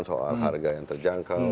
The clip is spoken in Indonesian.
soal harga yang terjangkau